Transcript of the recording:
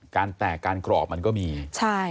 การแตกการกรอบมันก็มีใช่